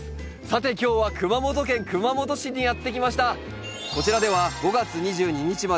さて今日は熊本県熊本市にやって来ました。